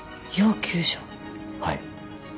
はい。